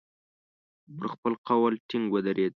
پر خپل قول ټینګ ودرېد.